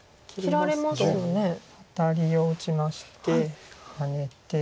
切りますとアタリを打ちましてハネて。